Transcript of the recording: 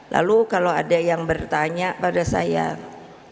lalu kalau ada yang bertanya pada saya